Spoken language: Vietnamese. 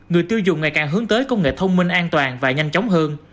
người tiêu dùng ngày càng hướng tới công nghệ thông minh an toàn và nhanh chóng hơn